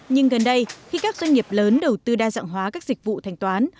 nhưng gần đây khi các doanh nghiệp lớn đầu tư đa dạng hóa các dịch vụ thanh toán